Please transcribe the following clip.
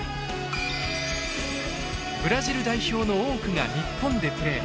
ブラジル代表の多くが日本でプレー。